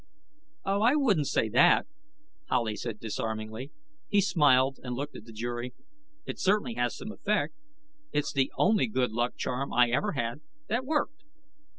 "Oh, I wouldn't say that," Howley said disarmingly. He smiled and looked at the jury. "It certainly has some effect. It's the only good luck charm I ever had that worked."